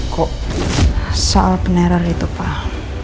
kok soal peneror itu pak